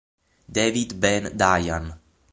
David Ben Dayan